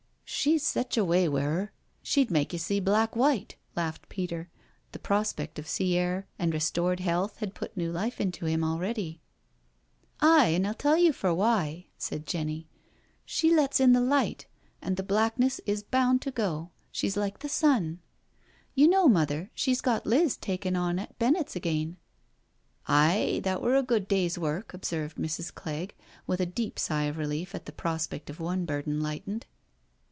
" She's sech a way wi' 'er— she'd make you see black white," laughed Peter. The prospect of sea air and restored health had put new life into him already. "Aye, an* I'll tell you for why," said Jenny; " she lets in the light, and the blackness is bound to go. JEN^fY'S CALL 57 she's like the sun. You know. Mother, she's got Liz taken on at Bennet's again?*' " Aye, that were^ a good day's work/* observed Mrs. Clegg, with a deep sigh of relief at the prospect of one burden lightened.